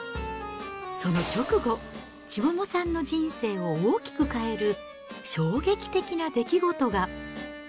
その直後、千桃さんの人生を大きく変える衝撃的な出来事が。